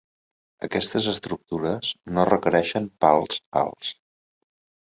Aquestes estructures no requereixen pals alts.